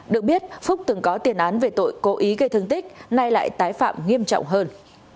được biết phúc từng có tiền án về tội cố ý gây thương tích nay lại tái phạm nghiêm trọng hơn